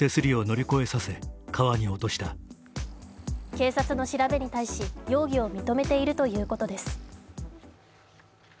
警察の調べに対し容疑を認めているということです。